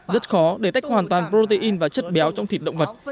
rất khó để tách hoàn toàn protein và chất béo trong thịt động vật